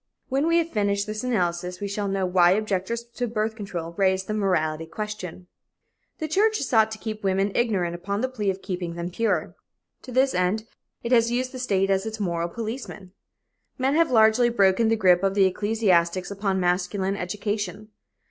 When we have finished this analysis, we shall know why objectors to birth control raise the "morality" question. The church has sought to keep women ignorant upon the plea of keeping them "pure." To this end it has used the state as its moral policeman. Men have largely broken the grip of the ecclesiastics upon masculine education.